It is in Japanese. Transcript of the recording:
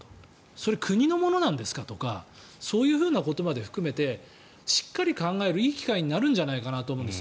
それ、国のものなんですか？とかそういうふうなことまで含めてしっかり考えるいい機会になるのではと思うんです。